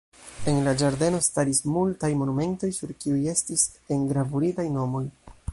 En la ĝardeno staris multaj monumentoj, sur kiuj estis engravuritaj nomoj.